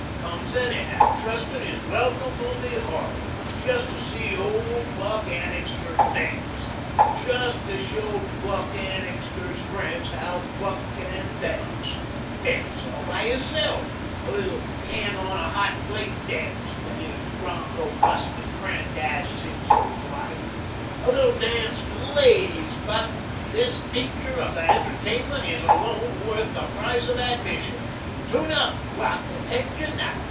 Comes anyhow, trustin' his welcome will be hearty; just to see old Buck Annixter dance, just to show Buck Annixter's friends how Buck can dance dance all by hisself, a little hen on a hot plate dance when his broncho bustin' friend asks him so polite. A little dance for the ladies, Buck. This feature of the entertainment is alone worth the price of admission. Tune up, Buck. Attention now!